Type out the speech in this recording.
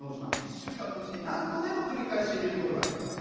１週間のうちに何度でも繰り返し見ることができます。